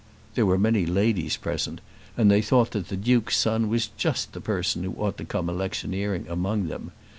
There were many ladies present and they thought that the Duke's son was just the person who ought to come electioneering among them.